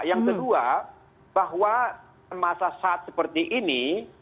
yang kedua bahwa masa saat seperti ini